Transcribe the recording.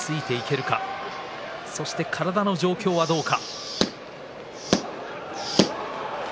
２つ体の状況はどうか。